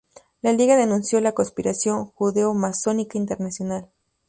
La liga denunció la Conspiración Judeo-Masónica Internacional.